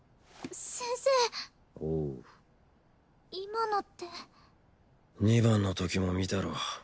先生おう今のって二番の時も見たろ？